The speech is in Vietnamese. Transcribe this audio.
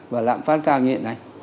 và lạm phát cao nhiện này